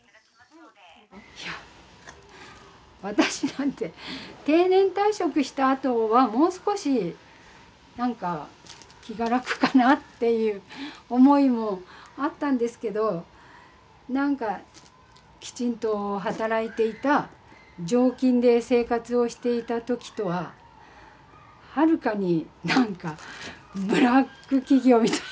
いや私なんて定年退職したあとはもう少しなんか気が楽かなっていう思いもあったんですけどなんかきちんと働いていた常勤で生活をしていた時とははるかになんかブラック企業みたい。